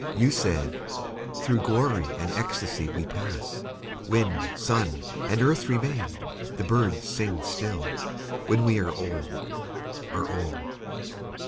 You said, "Through glory and ecstasy we pass; Wind, sun, and earth remain, the birds sing still, When we are old, are old.